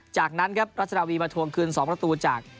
จากนั้นครับรัชดาวีมาทวงคืน๒ประตูจาก